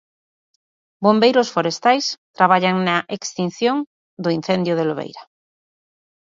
Bombeiros forestais traballan na extinción do incendio de Lobeira.